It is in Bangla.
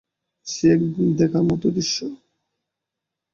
সে এক দেখার মতো দৃশ্য!